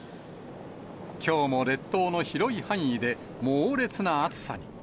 きょうも列島の広い範囲で猛烈な暑さに。